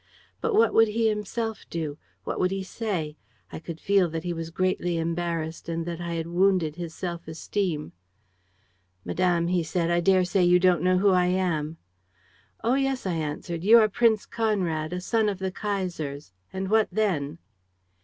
But what would he himself do? What would he say? I could feel that he was greatly embarrassed and that I had wounded his self esteem. "'Madame,' he said, 'I daresay you don't know who I am?' "'Oh, yes!' I answered. 'You are Prince Conrad, a son of the Kaiser's. And what then?'